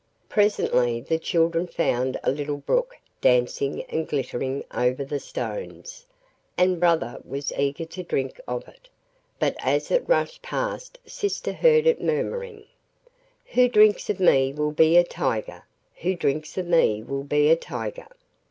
Presently the children found a little brook dancing and glittering over the stones, and brother was eager to drink of it, but as it rushed past sister heard it murmuring: 'Who drinks of me will be a tiger! who drinks of me will be a tiger!